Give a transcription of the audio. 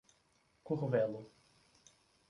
Curvelo